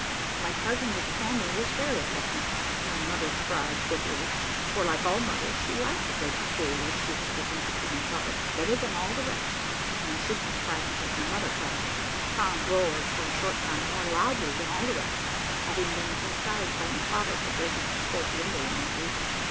My parting with the family was very affecting; my mother cried bitterly, for, like all mothers, she liked the greatest fool which she had presented to my father, better than all the rest; my sisters cried because my mother cried; Tom roared for a short time more loudly than all the rest, having been chastised by my father for breaking his fourth window in that week.